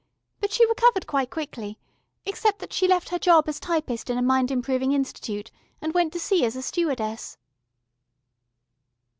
But she recovered quite quickly, except that she left her job as typist in a mind improving institute and went to sea as a stewardess."